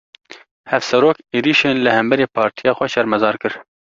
Hevserok, êrîşên li hemberî partiya xwe şermezar kir